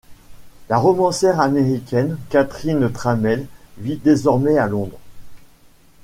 La romancière américaine Catherine Tramell vit désormais à Londres.